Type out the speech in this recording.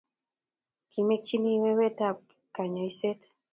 kimekchin iwe wetaab kanyoishet